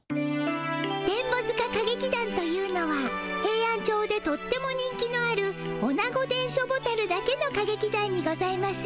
電ボ塚歌劇団というのはヘイアンチョウでとっても人気のあるオナゴ電書ボタルだけの歌劇団にございまする。